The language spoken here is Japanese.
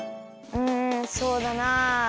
うんそうだなあ。